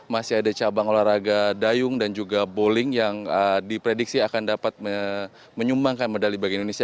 masih ada cabang olahraga dayung dan juga bowling yang diprediksi akan dapat menyumbangkan medali bagi indonesia